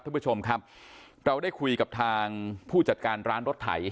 ท่านผู้ชมครับเราได้คุยกับทางผู้จัดการร้านรถไถ